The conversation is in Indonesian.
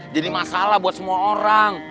jadi masalah buat semua orang